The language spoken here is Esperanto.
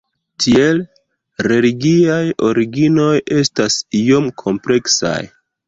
Tiel, religiaj originoj estas iom kompleksaj.